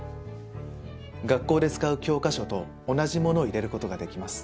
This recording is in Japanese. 学校で使う教科書と同じものを入れる事ができます。